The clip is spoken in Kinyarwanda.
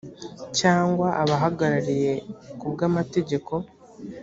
cyangwa ababahagarariye ku bw amategeko